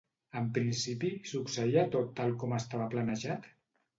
En principi, succeïa tot tal com estava planejat?